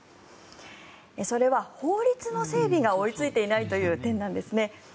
それは法律の整備が追いついていないという点なんですね。